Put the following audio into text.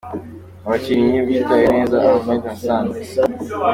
Umukinnyi witaye neza : Ahmed Hassan.